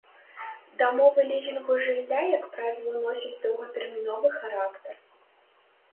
Дамовы лізінгу жылля, як правіла носяць доўгатэрміновы характар.